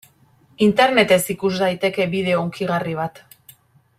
Internetez ikus daiteke bideo hunkigarri bat.